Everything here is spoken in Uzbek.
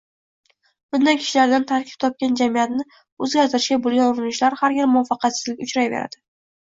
Bunday kishilardan tarkib topgan jamiyatni o‘zgartirishga bo‘lgan urinishlar har gal muvaffaqiyatsizlikka uchrayveradi.